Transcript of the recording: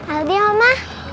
ada dia mama